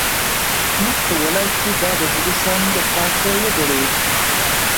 موږ کولی شو دا د هغو شیانو د پاسه وځړوو